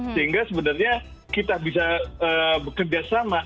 sehingga sebenarnya kita bisa bekerjasama